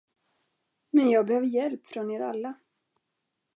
Men jag behöver hjälp från er alla.